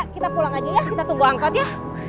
kita pulang aja ya kita tunggu angkat ya